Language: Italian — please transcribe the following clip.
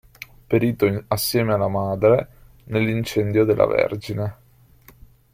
Perito assieme alla madre nell'incendio della Vergine!